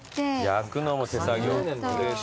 焼くのも手作業。